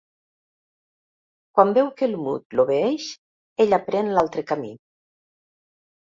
Quan veu que el Mud l'obeeix, ella pren l'altre camí.